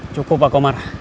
cukup pak omar